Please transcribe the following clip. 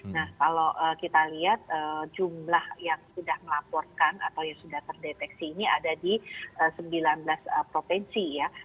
nah kalau kita lihat jumlah yang sudah melaporkan atau yang sudah terdeteksi ini ada di sembilan belas provinsi ya